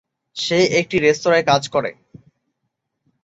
সে একটি রেস্তোরায় কাজ করে।